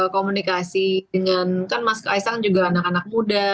komunikasi dengan kan mas kaisang juga anak anak muda